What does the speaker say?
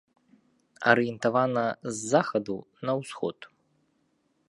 Арыентавана з захаду на ўсход.